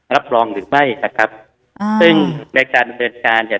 รับรองหรือไม่นะครับอ่าซึ่งในการดำเนินการเนี่ย